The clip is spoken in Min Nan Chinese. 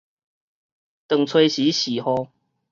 當初時是號